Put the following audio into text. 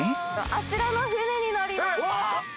あちらの船に乗ります！